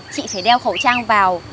chị phải đeo khẩu trang vào